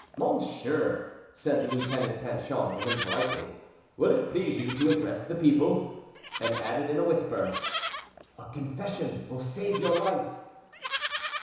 "Monsieur," said the Lieutenant Tanchon to him politely, "will it please you to address the people?" and added in a whisper, "a confession will save your life."